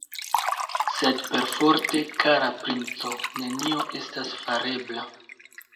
Sed perforte, kara princo, nenio estas farebla!